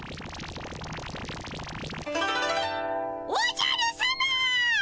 おじゃるさま！